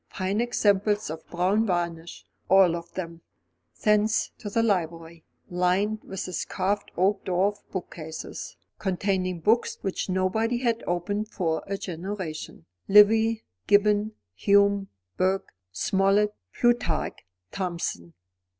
Fine examples of brown varnish, all of them. Thence to the library, lined with its carved oak dwarf bookcases, containing books which nobody had opened for a generation Livy, Gibbon, Hume, Burke, Smollett, Plutarch, Thomson.